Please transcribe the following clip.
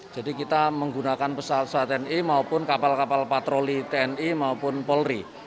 jadi kita menggunakan pesawat tni maupun kapal kapal patroli tni maupun polri